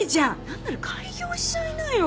なんなら開業しちゃいなよ。